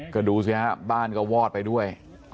ก็ดูสิฮะบ้านก็วอดไปด้วย